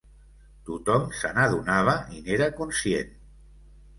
Tothom se n'adonava i n'era conscient